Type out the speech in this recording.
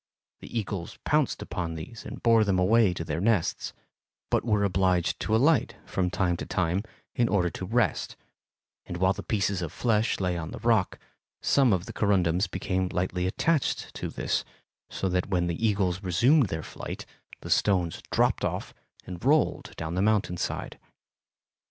The eagles pounced upon these and bore them away to their nests, but were obliged to alight from time to time in order to rest, and while the pieces of flesh lay on the rock, some of the corundums became lightly attached to this, so that when the eagles resumed their flight the stones dropped off and rolled down the mountain side.